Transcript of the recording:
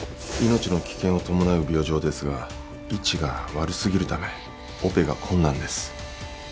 命の危険を伴う病状ですが位置が悪すぎるためオペが困難です。